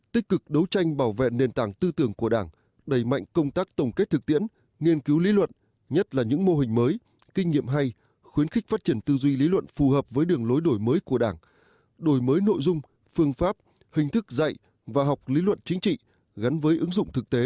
tích cực đấu tranh bảo vệ nền tảng tư tưởng của đảng đẩy mạnh công tác tổng kết thực tiễn nghiên cứu lý luận nhất là những mô hình mới kinh nghiệm hay khuyến khích phát triển tư duy lý luận phù hợp với đường lối đổi mới của đảng đổi mới nội dung phương pháp hình thức dạy và học lý luận chính trị gắn với ứng dụng thực tế